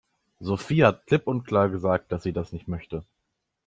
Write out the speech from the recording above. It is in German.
Sophie hat klipp und klar gesagt, dass sie das nicht möchte.